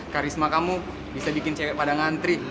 karisma kamu bisa bikin cewek pada ngantri